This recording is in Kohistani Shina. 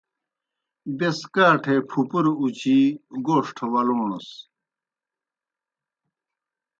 بیْس کاٹھے پُھپُرہ اُچِی گوݜٹھہ ولوݨَس۔